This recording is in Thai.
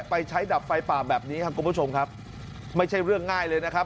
ไปใช้ดับไฟป่าแบบนี้ครับคุณผู้ชมครับไม่ใช่เรื่องง่ายเลยนะครับ